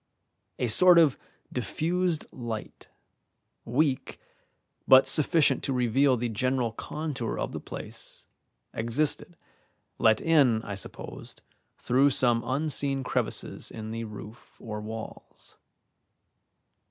A sort of diffused light, weak, but sufficient to reveal the general contour of the place, existed, let in, I supposed, through some unseen crevices in the roof or walls.